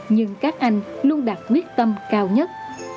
nhưng các anh luôn đặt nguyết tâm cao nhất